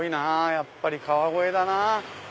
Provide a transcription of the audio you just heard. やっぱり川越だな。